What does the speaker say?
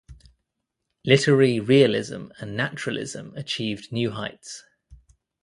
Literary realism and naturalism achieved new heights.